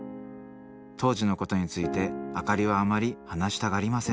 当時のことについて明里はあまり話したがりません。